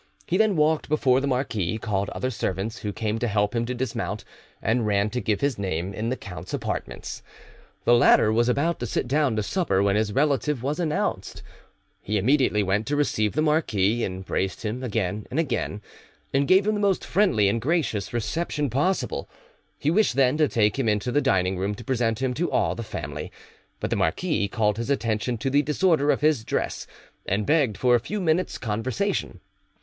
He then walked before the marquis, called other servants, who came to help him to dismount, and ran to give his name in the count's apartments. The latter was about to sit down to supper when his relative was announced; he immediately went to receive the marquis, embraced him again and again, and gave him the most friendly and gracious reception possible. He wished then to take him into the dining room to present him to all the family; but the marquis called his attention to the disorder of his dress, and begged for a few minutes' conversation.